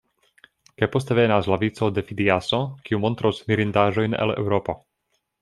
Kaj poste venas la vico de Fidiaso, kiu montros mirindaĵojn el Eŭropo.